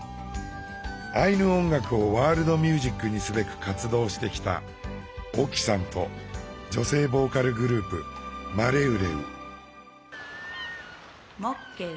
アイヌ音楽をワールドミュージックにすべく活動してきたＯＫＩさんと女性ボーカルグループマレウレウ。